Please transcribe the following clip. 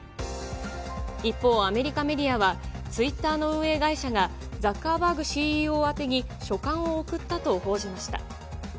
一方、アメリカメディアは、ツイッターの運営会社が、ザッカーバーグＣＥＯ宛てに書簡を送ったと報じました。